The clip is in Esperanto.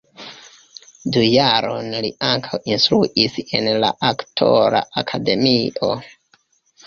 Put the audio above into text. Du jarojn li ankaŭ instruis en la aktora akademio.